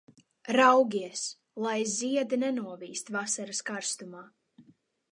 Raugies, lai ziedi nenovīst vasaras karstumā!